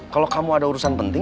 kalau kamu ada urusan penting